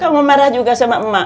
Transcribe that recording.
kamu marah juga sama emak